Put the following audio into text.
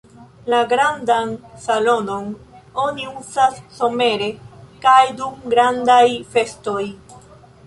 La grandan salonon oni uzas somere kaj dum grandaj festoj.